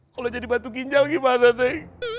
kalau jadi batu ginjal gimana teh